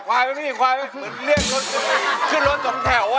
ควายไหมเหมือนเรียกรถขึ้นรถตรงแถว